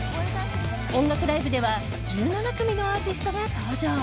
音楽ライブでは１７組のアーティストが登場。